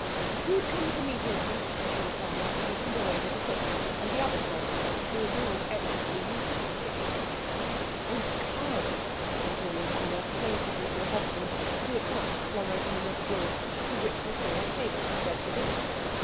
"The food comes immediately," she replied; and hastened away with the cook and the other servant through a door evidently leading to the kitchen. "Und kalt," continued Anna plaintively to the husband, who at once flung open another door, through which they saw a table spread for dinner.